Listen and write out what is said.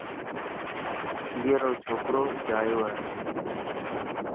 اي رو ڇوڪرو جايو هي.